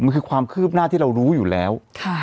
มันคือความคืบหน้าที่เรารู้อยู่แล้ว